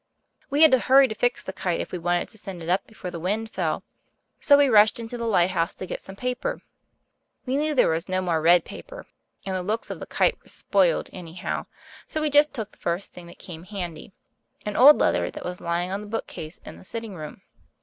We had to hurry to fix the kite if we wanted to send it up before the wind fell, so we rushed into the lighthouse to get some paper. We knew there was no more red paper, and the looks of the kite were spoiled, anyhow, so we just took the first thing that came handy an old letter that was lying on the bookcase in the sitting room.